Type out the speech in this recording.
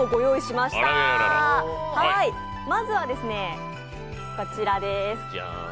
まずはこちらです。